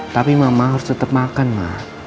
tapi mama harus tetep makan ma